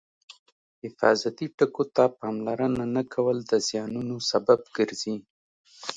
حفاظتي ټکو ته پاملرنه نه کول د زیانونو سبب ګرځي.